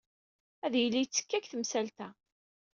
Ad yili yettekka deg temsalt-a.